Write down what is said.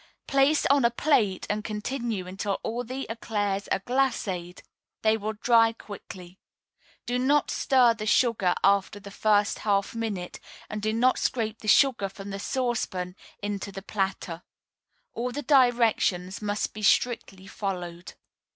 Place on a plate, and continue until all the éclairs are "glacéd." They will dry quickly. Do not stir the sugar after the first half minute, and do not scrape the sugar from the saucepan into the platter. All the directions must be strictly followed.